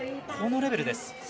このレベルです。